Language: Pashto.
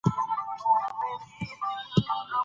دا چې بدخشان د پامیري ژبو یوه لویه سیمه ده،